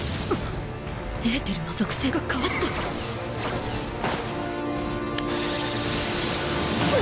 エーテルの属性が変わった⁉な！